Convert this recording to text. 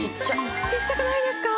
小っちゃくないですか？